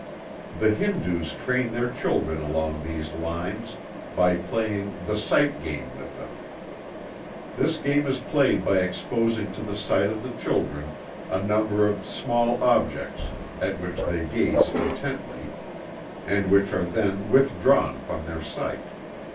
The Hindus train their children along these lines, by playing the "sight game" with them. This game is played by exposing to the sight of the children a number of small objects, at which they gaze intently, and which are then withdrawn from their sight.